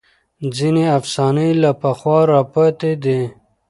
ځینې افسانې له پخوا راپاتې دي.